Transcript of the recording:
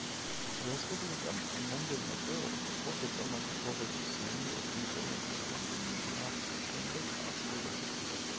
რესპუბლიკამ მომდევნო წელს ხოსე ტომას ბოვესის მიერ მიყენებული რამდენიმე მარცხის შემდეგ არსებობა შეწყვიტა.